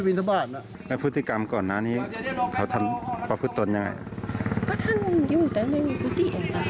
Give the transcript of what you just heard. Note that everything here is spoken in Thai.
ไม่ไหวสามใส่ชาวบ้านไม่เข้าหาชาวบ้านอย่างนี้